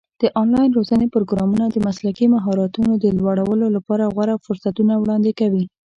د آنلاین روزنې پروګرامونه د مسلکي مهارتونو د لوړولو لپاره غوره فرصتونه وړاندې کوي.